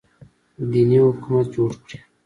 دیني حکومت جوړ کړي